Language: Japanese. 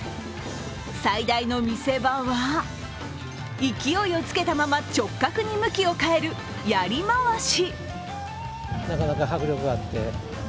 最大の見せ場は、勢いをつけたまま直角に向きを変える、やりまわし。